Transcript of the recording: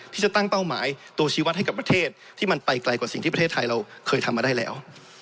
ที่จะตั้งเป้าหมายตัวชีวัตรให้กับประเทศที่มันไปไกลกว่าสิ่งที่ประเทศไทยเราเคยทำมาได้แล้ว